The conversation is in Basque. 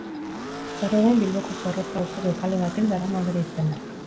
Gaur egun, Bilboko Zorrotza auzoko kale batek darama bere izena.